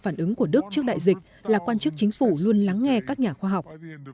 phản ứng của đức trước đại dịch là quan chức chính phủ luôn lắng nghe các nhà khoa học